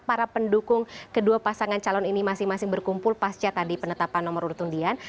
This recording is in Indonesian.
para pendukung kedua pasangan calon ini masing masing berkumpul pasca tadi penetapan nomor urut undian